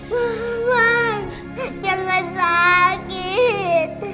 papa jangan sakit